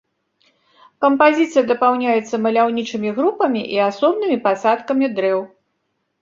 Кампазіцыя дапаўняецца маляўнічымі групамі і асобнымі пасадкамі дрэў.